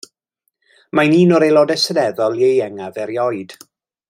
Mae'n un o'r Aelodau Seneddol ieuengaf erioed.